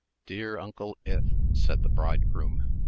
"Dear Uncle Ith!" said the bridegroom.